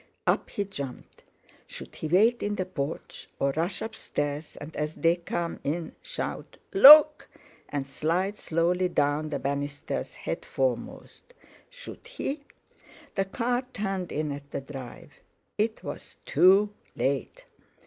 Up he jumped. Should he wait in the porch, or rush upstairs, and as they came in, shout: "Look!" and slide slowly down the banisters, head foremost? Should he? The car turned in at the drive. It was too late!